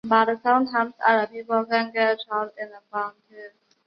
甘谷文庙大成殿的历史年代为明代。